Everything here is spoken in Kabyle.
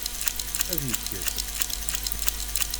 Ad yekkes?